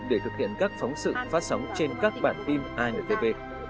để thực hiện các phóng sự phát sóng trên các bản tin intv